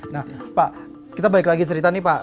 nah pak kita balik lagi cerita nih pak